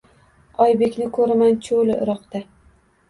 Oybekni ko’raman cho’li iroqda.